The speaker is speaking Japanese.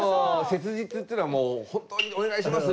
切実っていうのはもう「本当にお願いします！」